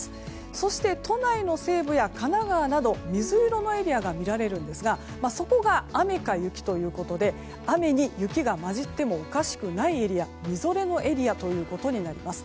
そして、都内の西部や神奈川など水色のエリアが見られるんですがそこが雨か雪ということで雨に雪が交じってもおかしくないエリアみぞれのエリアとなります。